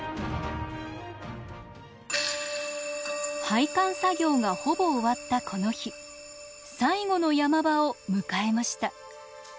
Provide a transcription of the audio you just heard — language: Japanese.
配管作業がほぼ終わったこの日最後の山場を迎えました。